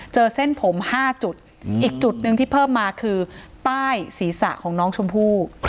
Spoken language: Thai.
เส้นผม๕จุดอีกจุดหนึ่งที่เพิ่มมาคือใต้ศีรษะของน้องชมพู่